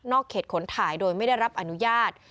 เขตขนถ่ายโดยไม่ได้รับอนุญาต